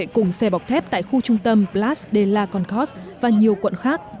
cùng xe bọc thép tại khu trung tâm place de la concorde và nhiều quận khác